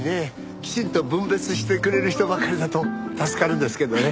きちんと分別してくれる人ばかりだと助かるんですけどね。